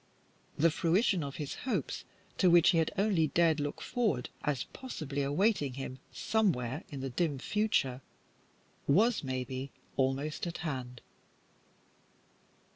The fruition of his hopes, to which he had only dared look forward as possibly awaiting him somewhere in the dim future, was, maybe, almost at hand.